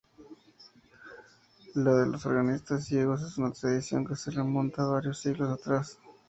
La de los organistas ciegos es una tradición que se remonta varios siglos atrás.